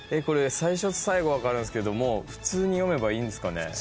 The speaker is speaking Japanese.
これ最初と最後分かるんですけど普通に読めばいいんすかね？